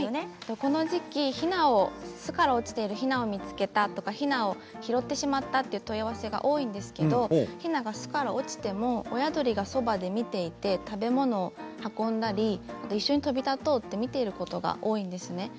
この時期、巣から落ちているひなを見つけたとかひなを拾ってしまったという問い合わせが多いんですがひなが巣から落ちていても親がそばで見ていて食べ物を運んだり一緒に飛び立とうと見ていることが多いんですね。